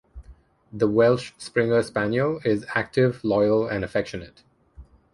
The Welsh Springer Spaniel is active, loyal, and affectionate.